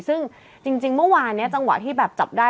ซึ่งจริงเมื่อวานนี้จังหวะที่แบบจับได้